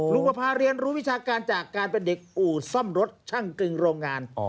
ประพาเรียนรู้วิชาการจากการเป็นเด็กอู่ซ่อมรถช่างกรึงโรงงาน